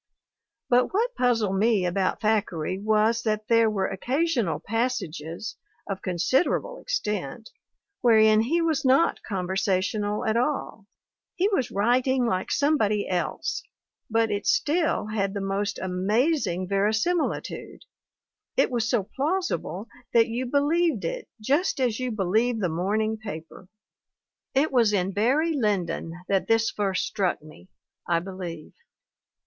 But what puzzled me about Thackeray was that there were occasional passages, of considerable extent, wherein he was not conversational at all; he was writing like somebody else, but it still had the most MARY S. WATTS 183 amazing verisimilitude; it was so plausible that you believed it just as you believe the morning paper. It was in Barry Lyndon that this first struck me, I be lieve.